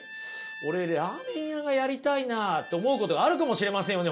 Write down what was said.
俺ラーメン屋がやりたいなと思うことがあるかもしれませんよね